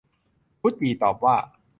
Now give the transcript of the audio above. กุดจี่ตอบว่า